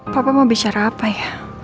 papa mau bicara apa ya